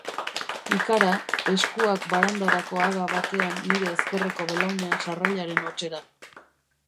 Ikara, eskuak barandarako haga batean nire ezkerreko belaunean sarrailaren hotsera.